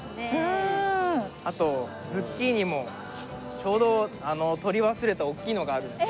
あとズッキーニもちょうどとり忘れた大きいのがあるので。